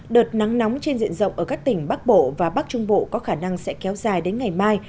đợt nắng nóng trên diện rộng ở các tỉnh bắc bộ và bắc trung bộ có khả năng sẽ kéo dài đến ngày mai